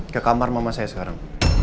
ke kamar mama saya sekarang